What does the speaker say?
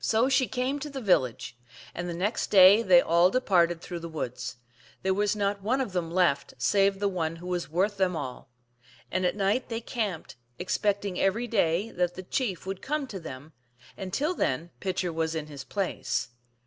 So she came to the village, and the next day they all departed through the woods ; there was not one of them left save the one who was worth them all. And at night they camped, expecting every day that the chief would come to them, and till then Pitcher was in his place.